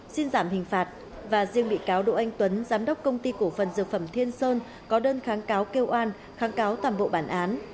xin giảm hình phạt và riêng bị cáo đỗ anh tuấn giám đốc công ty cổ phần dược phẩm thiên sơn có đơn kháng cáo kêu oan kháng cáo toàn bộ bản án